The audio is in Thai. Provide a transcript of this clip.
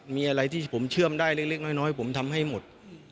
มีอะไรที่ผมเชื่อมได้เล็กน้อยผมทำให้หมด